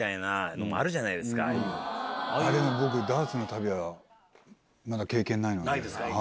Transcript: でも僕ダーツの旅はまだ経験ないので。